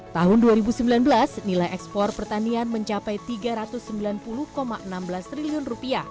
tahun dua ribu sembilan belas nilai ekspor pertanian mencapai rp tiga ratus sembilan puluh enam belas triliun